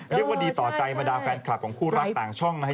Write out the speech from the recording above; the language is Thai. เรียกว่าดีต่อใจมดาวน์แฟนคลับของคู่รักด้านน้อยต่างช่อง